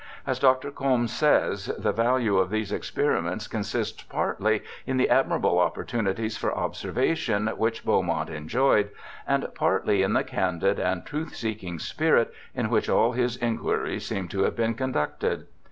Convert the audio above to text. As Dr. Combe says, the value of these experiments consists partly in the admirable opportunities for observation which Beaumont enjoyed, and partly in the candid and truth seeking spirit in which all his inquiries seem to have been conducted.